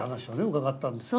伺ったんですが。